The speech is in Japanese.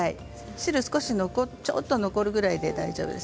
汁がちょっと残るぐらいで大丈夫です。